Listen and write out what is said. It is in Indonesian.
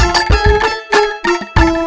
dua puluh ulang tahun